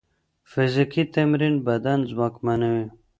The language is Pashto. فزیکي تمرین بدن ځواکمنوي.